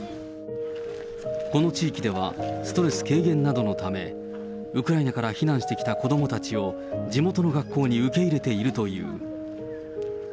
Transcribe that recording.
この地域ではストレス軽減などのため、ウクライナから避難してきた子どもたちを地元の学校に受け入れているという。